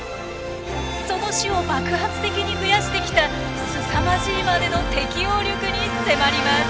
その種を爆発的に増やしてきたすさまじいまでの適応力に迫ります。